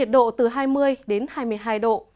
hai mươi đến hai mươi hai độ